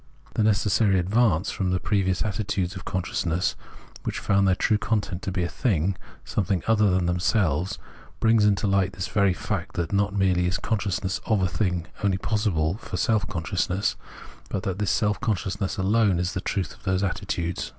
The necessary advance from the previous attitudes of con sciousness, which found their true content to be a thing, something other than themselves, brings to hght this very fact that not merely is consciousness of a thing only possible for a self consciousness, but that this self consciousness alone is the truth of those attitudes.